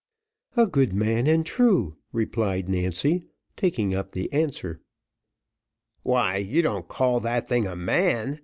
"A good man and true," replied Nancy, caking up the answer. "Why, you don't call that thing a man!"